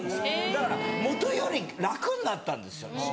だから元より楽になったんですよ。